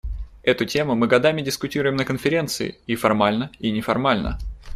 Эту тему мы годами дискутируем на Конференции − и формально, и неформально.